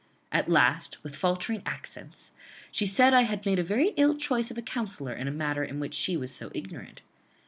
At last, with faltering accents, she said I had made a very ill choice of a counsellor in a matter in which she was so ignorant.